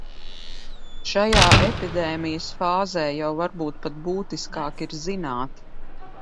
Šajā epidēmijas fāzē jau varbūt pat būtiskāk ir zināt.